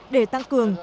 để tăng cường